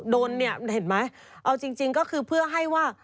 โดนเนี่ยเห็นไหมเอาจริงก็คือเพื่อให้ว่า